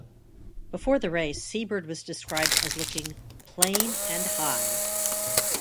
Before the race, Sea-Bird was described as looking "plain and high".